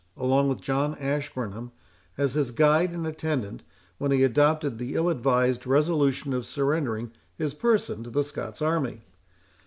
along with John Ashburnham, as his guide and attendant, when he adopted the ill advised resolution of surrendering his person to the Scots army.